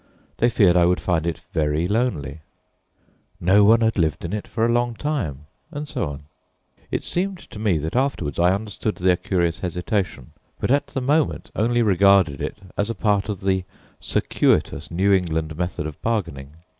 They feared I would find it very lonely. No one had lived in it for a long time, and so on. It seemed to me that afterwards I understood their curious hesitation, but at the moment only regarded it as a part of the circuitous New England method of bargaining.